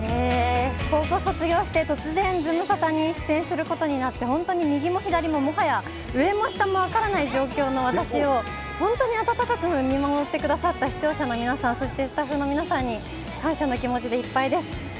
高校卒業して、突然、ズムサタに出演することになって、本当に右も左も、もはや上も下も分からない状況の私を、本当に温かく見守ってくださった視聴者の皆さん、そして、スタッフの皆さんに感謝の気持ちでいっぱいです。